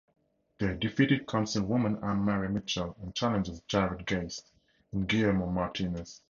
They defeated Councilwoman Anne Marie Mitchell and challengers Jared Geist and Guillermo Martinez.